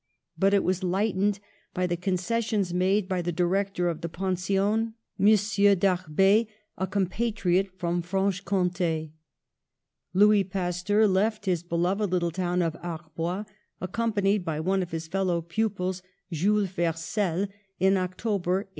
But it was lightened by the concessions made by the director of the pension, M. Darbet, a compatriot from Franche Comte. Louis Pasteur left his beloved little town of Arbois accompanied by one of his fellow pupils, Jules Vercel, in October, 1838.